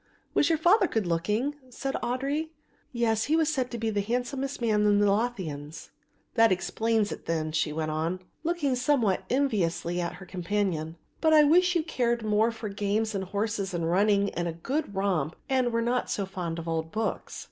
"Was your father good looking?" asked Audry. "Yes, he was said to be the handsomest man in the Lothians." "That explains it, then," she went on, looking somewhat enviously at her companion; "but I wish you cared more for games and horses and running and a good romp and were not so fond of old books.